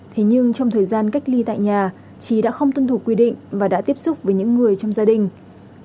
thế nhưng trong thời gian cách ly tại nhà trí đã không tuân thủ quy định và đã tiếp xúc với những người trong gia đình